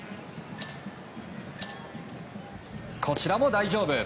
こちらも大丈夫！